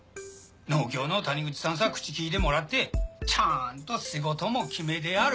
農協の谷口さんさ口利いてもらってちゃんと仕事も決めである。